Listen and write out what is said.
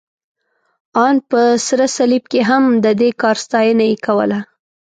ان په سره صلیب کې هم، د دې کار ستاینه یې کوله.